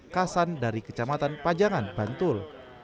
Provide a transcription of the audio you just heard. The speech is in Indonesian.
kasan dari kecamatan pajangan bantul